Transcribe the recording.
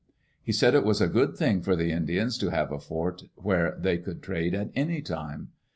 He said it was a good thing for the Indians to have a fort where they could trade at any time.